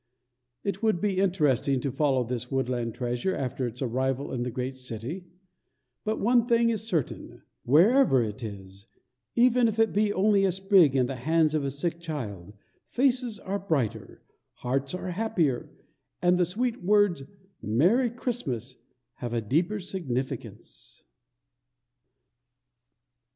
It would be interesting to follow this woodland treasure after its arrival in the great city; but one thing is certain wherever it is, even if it be only a sprig in the hand of a sick child, faces are brighter, hearts are happier, and the sweet words, "Merry Christmas," have a deeper significance.